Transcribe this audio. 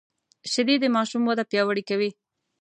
شیدې د ماشوم وده پیاوړې کوي